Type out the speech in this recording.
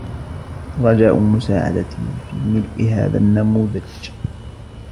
الرجاء مساعدتي في ملء هذا النموذج.